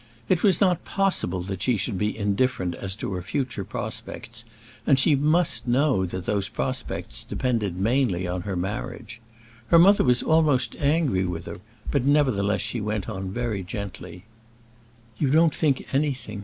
It was not possible that she should be indifferent as to her future prospects, and she must know that those prospects depended mainly on her marriage. Her mother was almost angry with her, but nevertheless she went on very gently: "You don't think anything!